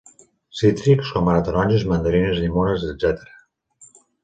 Cítrics, com ara taronges, mandarines, llimones, etc.